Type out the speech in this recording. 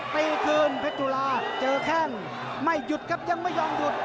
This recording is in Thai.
ตีคืนเพชรจุฬาเจอแข้งไม่หยุดครับยังไม่ยอมหยุด